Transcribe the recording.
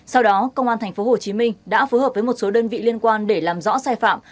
sau đó công an tp hcm đã phối hợp với một số đơn vị liên quan để làm rõ sai phạm